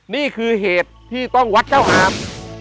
นี่คือเหตุที่ต้องวัดเจ้าอาม